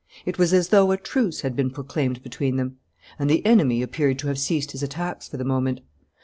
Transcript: It was as though a truce had been proclaimed between them; and the enemy appeared to have ceased his attacks for the moment.